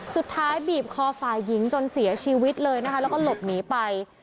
สุดท้ายบีบคอฝ่ายหญิงจนเสียชีวิตเลยนะคะแล้วก็หลบหนีไป